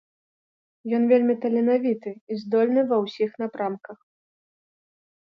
Ён вельмі таленавіты і здольны ва ўсіх напрамках.